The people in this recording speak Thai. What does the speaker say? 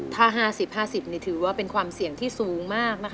ถ้า๕๐๕๐นี่ถือว่าเป็นความเสี่ยงที่สูงมากนะคะ